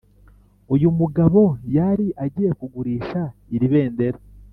uyu mugabo yari agiye kugurisha iri bendera